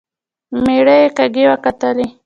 مېړه يې کږې وکتلې.